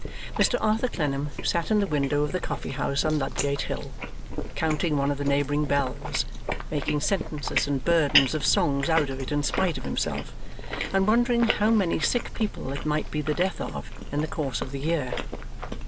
Mr Arthur Clennam sat in the window of the coffee house on Ludgate Hill, counting one of the neighbouring bells, making sentences and burdens of songs out of it in spite of himself, and wondering how many sick people it might be the death of in the course of the year.